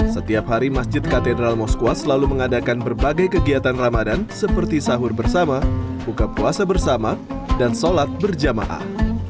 setiap hari masjid katedral moskwa selalu mengadakan berbagai kegiatan ramadan seperti sahur bersama buka puasa bersama dan sholat berjamaah